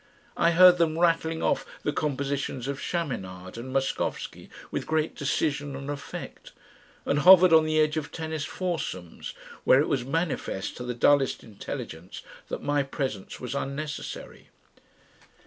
I heard them rattling off the compositions of Chaminade and Moskowski, with great decision and effect, and hovered on the edge of tennis foursomes where it was manifest to the dullest intelligence that my presence was unnecessary.